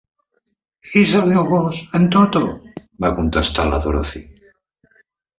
"És el meu gos, en Toto", va contestar la Dorothy.